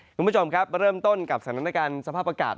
คุณผู้ชมครับเริ่มต้นกับสถานการณ์สภาพอากาศ